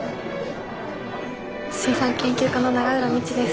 水産研究課の永浦未知です。